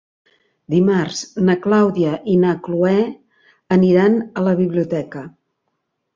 Dimarts na Clàudia i na Cloè aniran a la biblioteca.